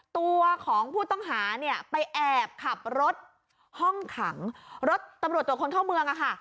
ตัวของผู้ต้องหาเนี่ยไปแอบขับรถห้องขังรถตำรวจตรวจคนเข้าเมืองอะค่ะ